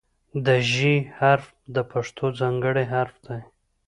د "ژ" حرف د پښتو ځانګړی حرف دی.